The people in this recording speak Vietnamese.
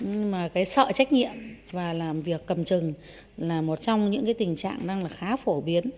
nhưng mà cái sợ trách nhiệm và làm việc cầm trừng là một trong những tình trạng khá phổ